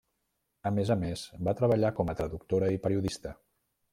A més a més, va treballar com a traductora i periodista.